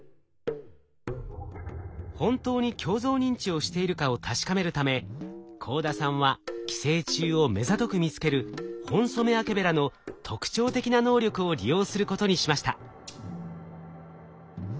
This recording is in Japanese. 本当に鏡像認知をしているかを確かめるため幸田さんは寄生虫をめざとく見つけるホンソメワケベラの特徴的な能力を利用することにしました。